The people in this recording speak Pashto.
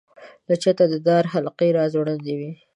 له چته د دار حلقې را ځوړندې وې.